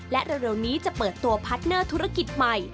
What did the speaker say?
และเร็วนี้จะเปิดตัวพาร์ทเนอร์ธุรกิจใหม่